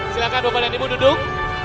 silahkan bapak dan ibu duduk